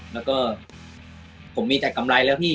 แล้วก็ผมมีแต่กำไรแล้วพี่